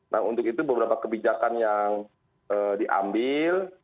nah untuk itu beberapa kebijakan yang diambil